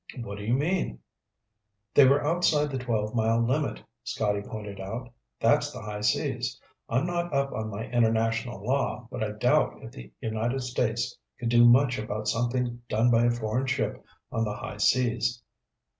"What do you mean?" "They were outside the twelve mile limit," Scotty pointed out. "That's the high seas. I'm not up on my international law, but I doubt if the United States could do much about something done by a foreign ship on the high seas."